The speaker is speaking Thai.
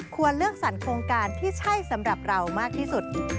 ควรเลือกสรรโครงการที่ใช่สำหรับเรามากที่สุด